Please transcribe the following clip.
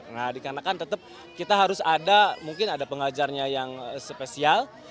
nah dikarenakan tetap kita harus ada mungkin ada pengajarnya yang spesial